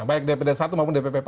baik dpd satu maupun dpp partai